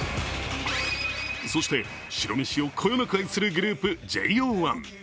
そして、白飯をこよなく愛するグループ、ＪＯ１。